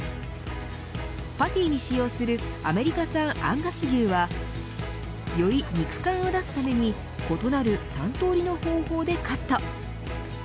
パティに使用するアメリカ産アンガス牛はより肉感を出すために異なる３通りの方法でカット。